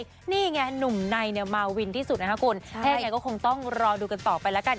นี่ไงหนุ่มในเนี่ยมาวินที่สุดนะคะคุณถ้ายังไงก็คงต้องรอดูกันต่อไปแล้วกัน